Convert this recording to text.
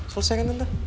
selesai kan tante